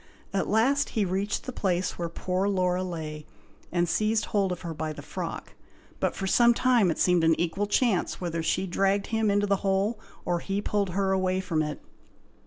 At last he reached the place where poor Laura lay, and seized hold of her by the frock; but for some time it seemed an equal chance whether she dragged him into the hole, or he pulled her away from it.